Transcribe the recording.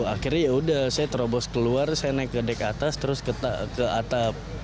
akhirnya yaudah saya terobos keluar saya naik ke dek atas terus ke atap